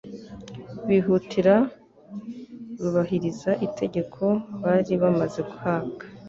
bihutira lubahiriza itegeko bari bamaze guhabwa.